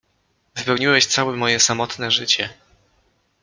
Wypełniłeś całe moje samotne życie!